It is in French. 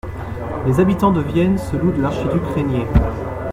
Les habitans de Vienne se louent de l'archiduc Rainier.